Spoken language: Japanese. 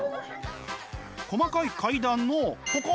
細かい階段のここ！